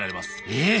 えっ！